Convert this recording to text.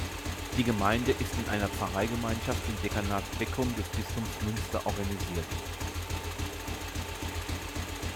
Die Gemeinde ist in einer Pfarreiengemeinschaft im Dekanat Beckum des Bistums Münster organisiert.